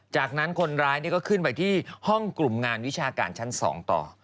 จากนั้นคนร้ายก็ขึ้นไปที่ห้องกลุ่มงานวิชาการชั้น๒ต่อ